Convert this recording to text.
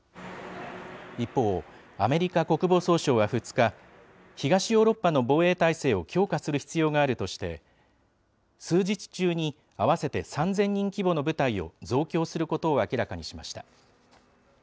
一方、アメリカ国防総省は２日、東ヨーロッパの防衛態勢を強化する必要があるとして、数日中に合わせて３０００人規模の部隊を増強することを明らかにしました。